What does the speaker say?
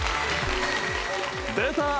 出た！